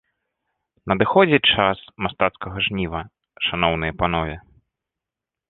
Надыходзіць час мастацкага жніва, шаноўныя панове.